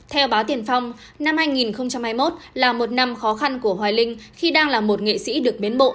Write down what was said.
theo báo tiền phong năm hai nghìn hai mươi một là một năm khó khăn của hoài linh khi đang là một nghệ sĩ được biến bộ